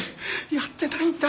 やってないんだ。